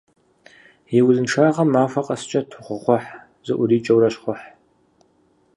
И узыншагъэм махуэ къэскӀэ тохъуэхъухь, зыӀурикӀэурэ щхъухь.